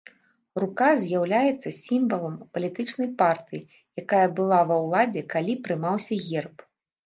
Рука з'яўляецца сімвалам палітычнай партыі, якая была ва ўладзе калі прымаўся герб.